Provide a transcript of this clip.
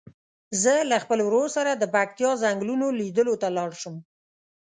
زه له خپل ورور سره د پکتیا څنګلونو لیدلو ته لاړ شم.